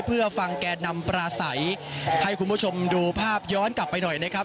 เพื่อฟังแก่นำปลาใสให้คุณผู้ชมดูภาพย้อนกลับไปหน่อยนะครับ